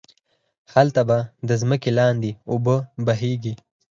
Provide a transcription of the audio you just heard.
هلته به ده ځمکی لاندی اوبه بهيږي